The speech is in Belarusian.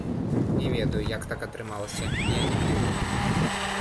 Не ведаю, як так атрымалася, я не піў.